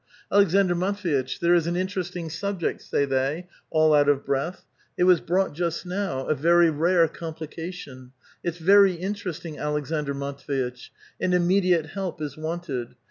^^ Aleksandr Matv^itch, there is an interesting subject," say they, all out of breath; *' it was brought just now — a very rare complication ; it's very interesting, Aleksandr Matv^itch, and immediate help is wanted.